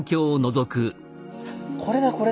これだこれだ。